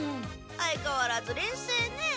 相変わらず冷静ね。